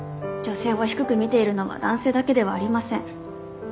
女性を低く見ているのは男性だけではありません。